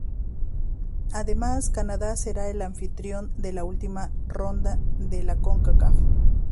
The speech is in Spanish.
Además, Canadá será el anfitrión de la última ronda de la Concacaf.